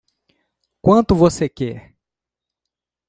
Quanto você quer?